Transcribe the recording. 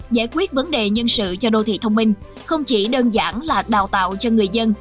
giải quyết vấn đề nhân sự cho đô thị thông minh không chỉ đơn giản là đào tạo cho người dân